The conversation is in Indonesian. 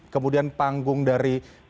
kemudian panggung dari ya negara